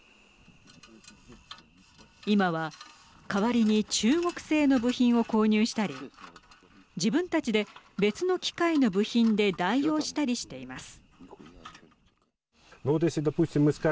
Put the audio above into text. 今は代わりに中国製の部品を購入したり自分たちで別の機械の部品で代用したりしています。